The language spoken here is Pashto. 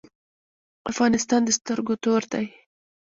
افغانستان د سترګو تور دی